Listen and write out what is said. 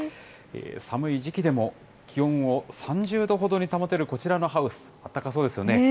寒い時期でも、気温を３０度ほどに保てるこちらのハウス、あったかそうですよね。